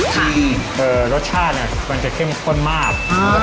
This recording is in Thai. ที่รสชาตินี้มันจะเข้มข้นมาก